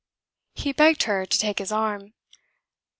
He begged her to take his arm.